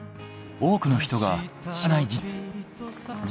多くの人が知らない事実。